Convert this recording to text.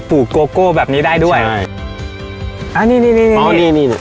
ลูกโกโก้แบบนี้ได้ด้วยใช่อ่านี่นี่นี่อ๋อนี่นี่นี่